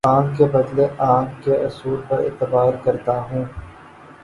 آنکھ کے بدلے آنکھ کے اصول پر اعتبار کرتا ہوں